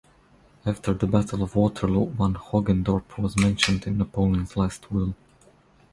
After the Battle of Waterloo Van Hogendorp was mentioned in Napoleon's last will.